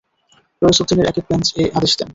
রইস উদ্দিনের একক বেঞ্চ এ আদেশ দেন।